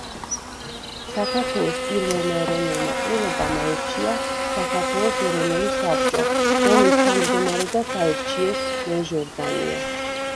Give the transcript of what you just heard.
საქართველოს პირველმა ეროვნულმა ყრილობამ აირჩია საქართველოს ეროვნული საბჭო, რომლის თავმჯდომარედაც აირჩიეს ნოე ჟორდანია.